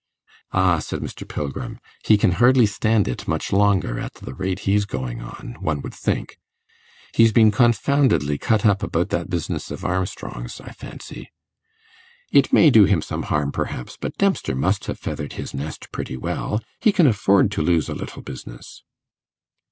'Ah,' said Mr. Pilgrim, 'he can hardly stand it much longer at the rate he's going on, one would think. He's been confoundedly cut up about that business of Armstrong's, I fancy. It may do him some harm, perhaps, but Dempster must have feathered his nest pretty well; he can afford to lose a little business.